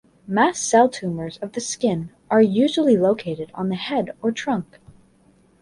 Mast cell tumors of the skin are usually located on the head or trunk.